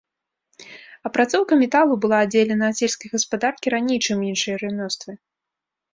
Апрацоўка металу была аддзелена ад сельскай гаспадаркі раней, чым іншыя рамёствы.